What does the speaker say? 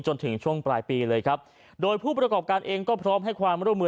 จนถึงช่วงปลายปีเลยครับโดยผู้ประกอบการเองก็พร้อมให้ความร่วมมือ